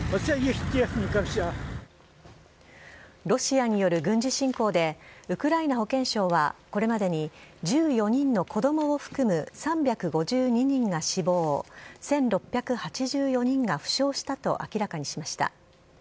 ロシアによる軍事侵攻で、ウクライナ保健省はこれまでに１４人の子どもを含む３５２人が死亡、１６８４人が負傷したと明らかにしました。